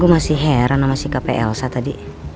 gue masih heran sama si kp elsa tadi